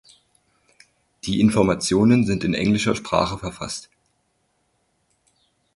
Die Informationen sind in englischer Sprache verfasst.